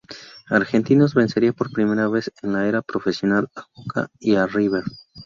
Argentinos vencería por primera vez en la Era Profesional a Boca y a River.